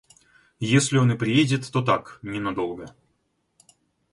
– Если он и приедет, то так ненадолго.